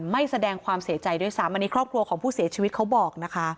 แสดงความเสียใจด้วยซ้ำอันนี้ครอบครัวของผู้เสียชีวิตเขาบอกนะคะ